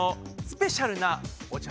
スペシャル。